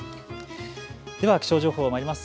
気象情報まいります。